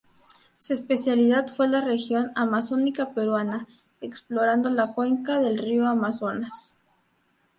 Su especialidad fue la región amazónica peruana, explorando la cuenca del río Amazonas.